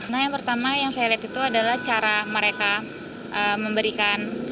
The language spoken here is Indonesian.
nah yang pertama yang saya lihat itu adalah cara mereka memberikan